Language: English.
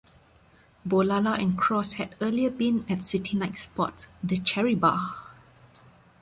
Boulala and Cross had earlier been at city nightspot the Cherry Bar.